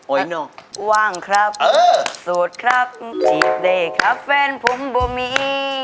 ว่างครับโสดครับจีบได้ครับแฟนผมบ่มี